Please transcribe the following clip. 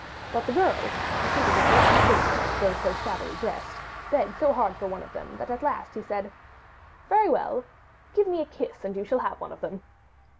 But the girl (and she was a very pretty girl, though so shabbily dressed) begged so hard for one of them that at last he said: 'Very well; give me a kiss and you shall have one of them.